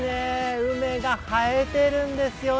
梅が映えているんですよね。